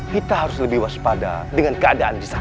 kita harus lebih waspada dengan keadaan di sana